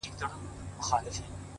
وخت هوښیارانو ته ارزښت لري!